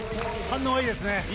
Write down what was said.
反応いいですね。